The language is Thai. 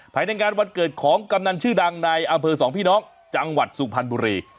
ภายในงานวันเกิดของกำนันชื่อดังในอำเภอสองพี่น้องจังหวัดสุพรรณบุรี